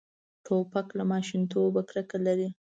توپک له ماشومتوبه کرکه لري.